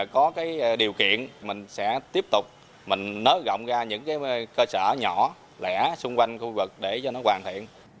có điều kiện mình sẽ tiếp tục nới rộng ra những cơ sở nhỏ lẻ xung quanh khu vực để cho nó hoàn thiện